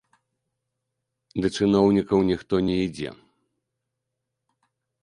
Да чыноўнікаў ніхто не ідзе.